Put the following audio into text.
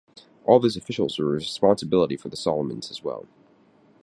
All those officials were responsibility for the Solomons as well.